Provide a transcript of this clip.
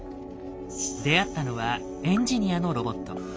出会ったのはエンジニアのロボット。